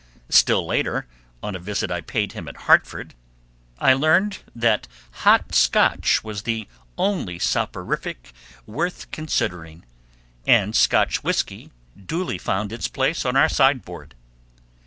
Still later, on a visit I paid him at Hartford, I learned that hot Scotch was the only soporific worth considering, and Scotch whiskey duly found its place on our sideboard.